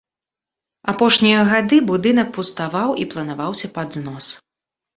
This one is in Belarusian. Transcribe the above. Апошнія гады будынак пуставаў і планаваўся пад знос.